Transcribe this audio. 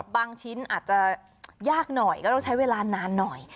บางชิ้นอาจจะยากหน่อยก็ต้องใช้เวลานานหน่อย